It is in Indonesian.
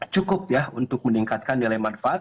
cukup ya untuk meningkatkan nilai manfaat